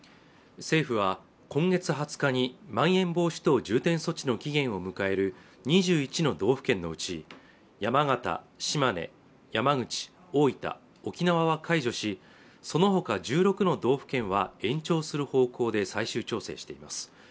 政府は今月２０日にまん延防止等重点措置の期限を迎える２１の道府県のうち山形、島根山口、大分、沖縄は解除しそのほか１６の道府県は延長する方向で最終調整しています